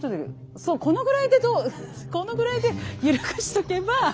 そうこのぐらいでこのぐらいでゆるくしとけば。